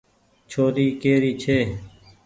ڇوري ڪي ري ڇي۔